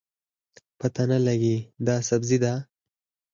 پته نه لګي دا سبزي ده